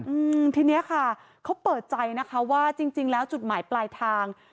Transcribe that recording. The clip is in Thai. อืมทีเนี้ยค่ะเขาเปิดใจนะคะว่าจริงจริงแล้วจุดหมายปลายทาง